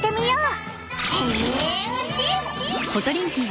へんしん！